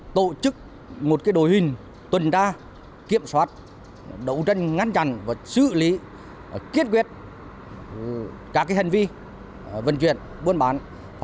tổ chức một đổi hình tuần ra kiểm soát đấu tranh ngăn chặn và xử lý kiết quyết các hành vi vận chuyển